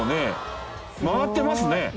回ってますね。